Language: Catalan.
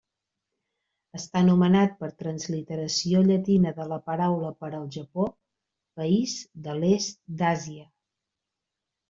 Està nomenat per transliteració llatina de la paraula per al Japó, país de l'est d'Àsia.